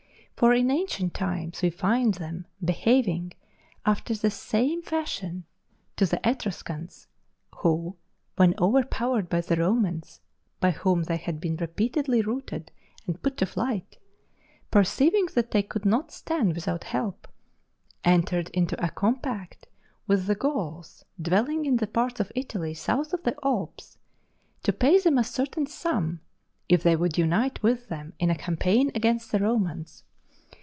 For in ancient times we find them behaving after the same fashion to the Etruscans, who, when overpowered by the Romans, by whom they had been repeatedly routed and put to flight, perceiving that they could not stand without help, entered into a compact with the Gauls dwelling in the parts of Italy south of the Alps, to pay them a certain sum if they would unite with them in a campaign against the Romans.